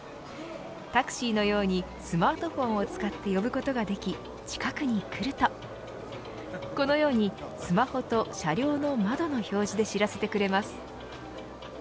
タクシーのようにスマートフォンを使って呼ぶことができ近くに来るとこのようにスマホと車両の窓の表示で知らせてくれます。